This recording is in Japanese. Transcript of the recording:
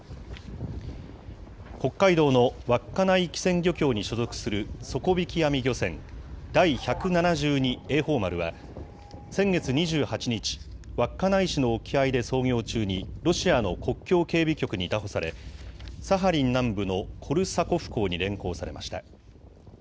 北海道の稚内機船漁協に所属する底引き網漁船、第百七十二榮寳丸は、先月２８日、稚内市の沖合で操業中にロシアの国境警備局に拿捕され、サハリン南部のコルサコフ港に連行されました。